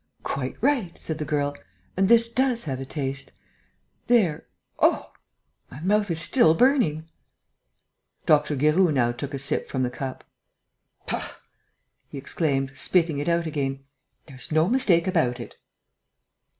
"Quite right," said the girl, "and this does have a taste.... There oh! my mouth is still burning." Dr. Guéroult now took a sip from the cup; "Faugh!" he exclaimed, spitting it out again. "There's no mistake about it...."